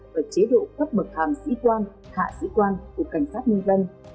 và chế độ cấp bậc hàm sĩ quan hạ sĩ quan của cảnh sát nhân dân